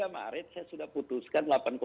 dua puluh tiga maret saya sudah putuskan